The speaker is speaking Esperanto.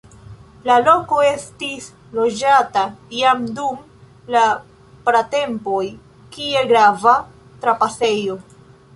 La loko estis loĝata jam dum la pratempoj, kiel grava trapasejo.